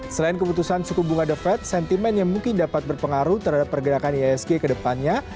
selain keputusan suku bunga the fed sentimen yang mungkin dapat berpengaruh terhadap pergerakan ihsg ke depannya